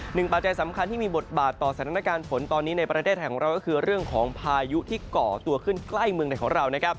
หนึ่งปัจจัยสำคัญที่มีบทบาทต่อสถานการณ์